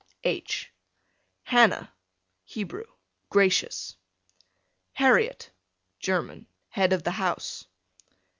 H Hannah, Hebrew, gracious. Harriet, German, head of the house.